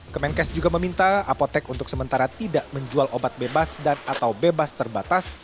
kemenkes juga meminta apotek untuk sementara tidak menjual obat bebas dan atau bebas terbatas